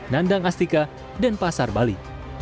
nandang astika dan pasar bali